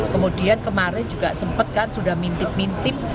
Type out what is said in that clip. kemudian kemarin juga sempat kan sudah mintip mintip